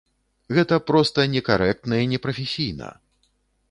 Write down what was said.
Гэта проста некарэктна і непрафесійна.